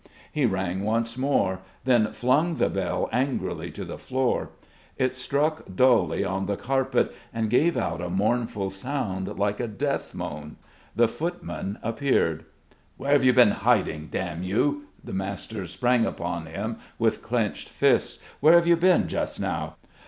He rang once more; then flung the bell angrily to the floor. It struck dully on the carpet and gave out a mournful sound like a death moan. The footman appeared. "Where have you been hiding, damn you?" The master sprang upon him with clenched fists. "Where have you been just now?